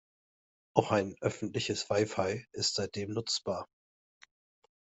Auch ein öffentliches Wi-Fi ist seitdem nutzbar.